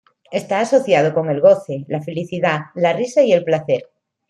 Está asociado con el goce, la felicidad, la risa y el placer.